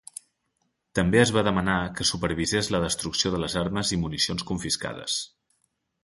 També es va demanar que supervisés la destrucció de les armes i municions confiscades.